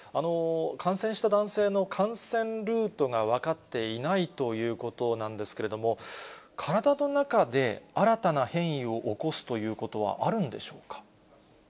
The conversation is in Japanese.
感染した男性の感染ルートが分かっていないということなんですけれども、体の中で新たな変異を起こすということはあるんでしょうか。